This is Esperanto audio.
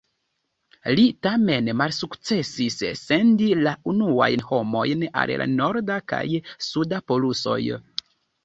Li tamen malsukcesis sendi la unuajn homojn al la norda kaj suda polusoj.